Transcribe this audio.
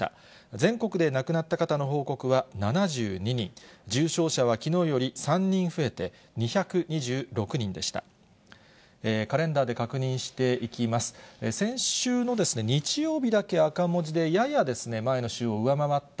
全国で亡くなった方の報告は７２人、重症者はきのうより３人増えて、２２６人でした。